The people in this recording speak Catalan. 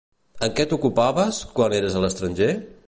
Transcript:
En què t'ocupaves, quan eres a l'estranger?